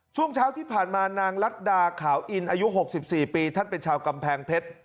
ช่วงเช้าที่ผ่านมานางรัฐดาขาวอินอายุ๖๔ปีท่านเป็นชาวกำแพงเพชร